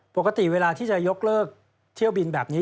ปกติเวลาที่จะยกเลิกเที่ยวบินแบบนี้